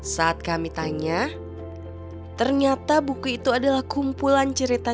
saat kami tanya ternyata buku itu adalah kumpulan cerita